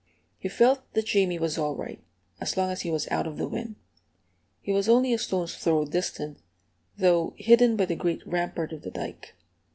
He felt that Jamie was all right, as long as he was out of the wind. He was only a stone's throw distant, though hidden by the great rampart of the dike.